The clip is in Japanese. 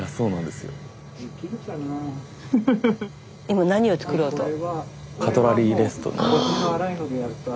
今何を作ろうと？